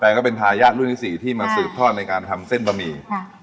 ก็เป็นทายาทรุ่นที่สี่ที่มาสืบทอดในการทำเส้นบะหมี่